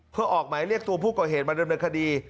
เพื่อออกไหมเลี่ยงตัวผู้เก่าเหตุมาเริ่มเริ่มคดี